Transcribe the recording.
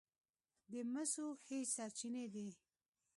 د مسو ښې سرچینې دي.